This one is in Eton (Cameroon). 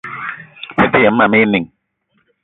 Mete yem mam éè inìng